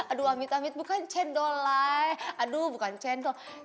aduh amit amit bukan candlelight aduh bukan candle